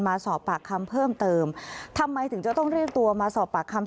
มาสอบปากคำเพิ่มเติมทำไมถึงจะต้องเรียกตัวมาสอบปากคำ